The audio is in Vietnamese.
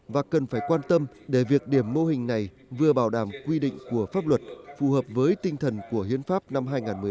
và cần phải quan tâm để việc điểm mô hình này vừa bảo đảm quy định của pháp luật phù hợp với tinh thần của hiến pháp năm hai nghìn một mươi ba